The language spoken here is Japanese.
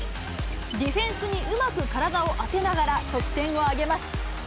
ディフェンスにうまく体を当てながら得点を挙げます。